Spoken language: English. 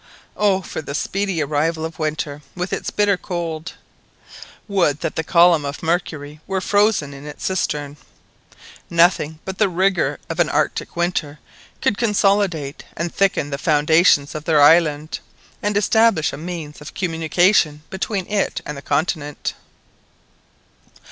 Oh for the speedy arrival of the winter, with its bitter cold! Would that the column of mercury were frozen in its cistern! Nothing but the rigour of an Arctic winter could consolidate and thicken the foundation of their island, and establish a means of communication between it and the continent.